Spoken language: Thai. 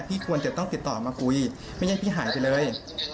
ควรจะต้องติดต่อมาคุยไม่ให้พี่หายไปเลย